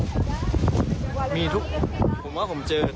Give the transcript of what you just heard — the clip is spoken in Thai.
ก่อนหน้านี้ที่ตีปริงปองอ่ะไปแข่งซีเกมอ่ะ